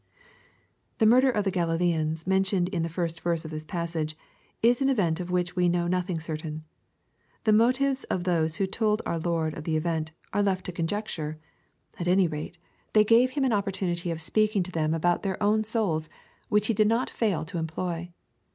The murder of the Galileans, mentioned in the first verse of this passage, is an event of which we know nothing certain. The motives of those who told our Liord of the event, we are left to conjecture. At any rate, they gave 106 KXPOfclTORY THOUGHTS. Him an opportanitr of speaking to thein al> >ui their own lonk, which He did not fail to employ.